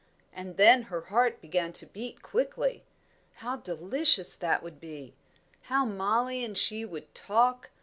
And then her heart began to beat quickly. How delicious that would be! How Mollie and she would talk!